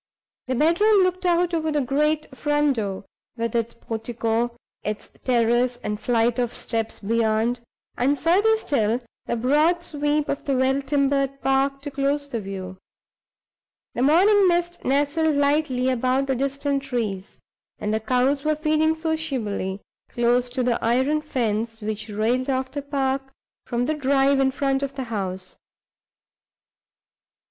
The bedroom looked out over the great front door, with its portico, its terrace and flight of steps beyond, and, further still, the broad sweep of the well timbered park to close the view. The morning mist nestled lightly about the distant trees; and the cows were feeding sociably, close to the iron fence which railed off the park from the drive in front of the house.